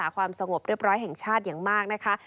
ความสงบเรียบร้อยแห่งชาติอย่างมากนะคะ